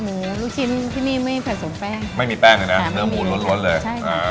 ลูกชิ้นที่นี่ไม่ผสมแป้งไม่มีแป้งเลยนะเนื้อหมูล้วนเลยใช่อ่า